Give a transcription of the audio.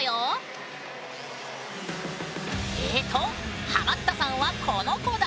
えとハマったさんはこの子だ！